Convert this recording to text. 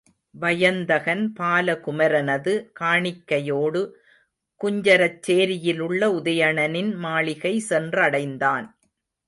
வயந்தகன், பாலகுமரனது காணிக்கையோடு குஞ்சரச்சேரியிலுள்ள உதயணனின் மாளிகை சென்றடைந்தான்.